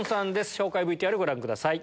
紹介ＶＴＲご覧ください。